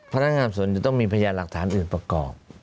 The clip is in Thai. พนักงานส่วนจะต้องมีพยานหลักฐานอื่นประกอบ